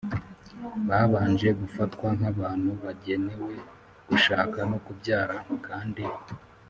babanje gufatwa nk’abantu bagenewe gushaka no kubyara, kandi